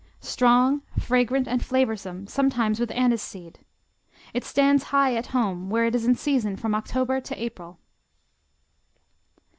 Strong, fragrant and flavorsome, sometimes with aniseed. It stands high at home, where it is in season from October to April.